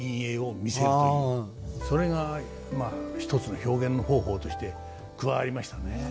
それがまあ一つの表現方法として加わりましたね。